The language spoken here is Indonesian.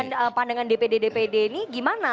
dengan pandangan dpd dpd ini gimana